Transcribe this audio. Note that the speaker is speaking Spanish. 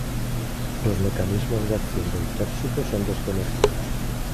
Los mecanismos de acción del tóxico son desconocidos.